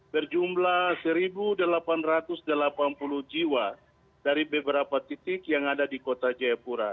berjumlah satu delapan ratus delapan puluh jiwa dari beberapa titik yang ada di kota jayapura